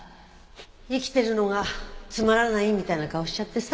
生きてるのがつまらないみたいな顔しちゃってさ。